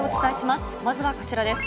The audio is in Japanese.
まずはこちらです。